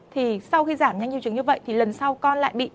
thì sau khi giảm nhanh triệu chứng như vậy thì lần sau con lại bị